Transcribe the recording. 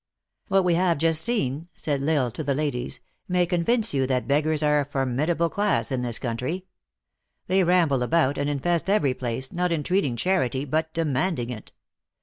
" What we have just seen," said L Isle to the ladies, " may convince you that beggars are a formidable class in this country. They ramble about, and infest every place, not entreating charity, but demanding it.